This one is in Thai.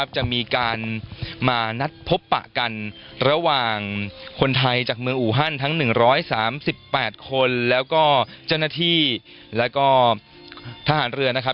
จากเมืองอูฮันทั้ง๑๓๘คนแล้วก็เจ้าหน้าที่แล้วก็ทหารเรือนะครับ